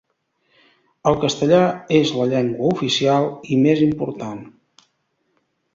El castellà és la llengua oficial i més important.